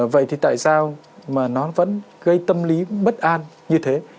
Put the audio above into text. vậy thì tại sao mà nó vẫn gây tâm lý bất an như thế